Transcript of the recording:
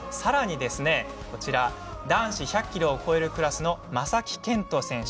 男子１００キロを超えるクラスの正木健人選手。